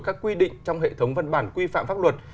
các quy định trong hệ thống văn bản quy phạm pháp luật